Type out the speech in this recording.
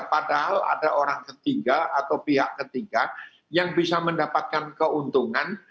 padahal ada orang ketiga atau pihak ketiga yang bisa mendapatkan keuntungan